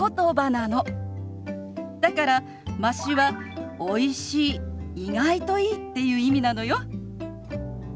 だから「まし」は「おいしい」「意外といい」っていう意味なのよ。